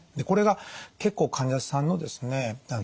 これが結構患者さんのですね